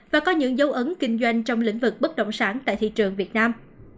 và có những dấu ấn kinh doanh trong lĩnh vực bất động sản tại thị trường việt nam